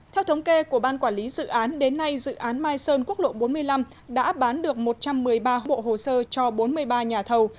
theo thống kê của ban quản lý dự án đến nay dự án mai sơn quốc lộ bốn mươi năm đã bán được một trăm một mươi ba bộ hồ sơ cho bốn mươi ba nhà thầu